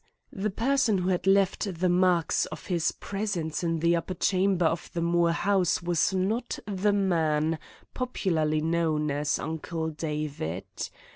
The person who had left the marks of his presence in the upper chamber of the Moore house was not the man popularly known as Uncle David.